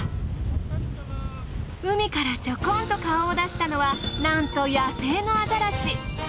海からちょこんと顔を出したのはなんと野生のアザラシ。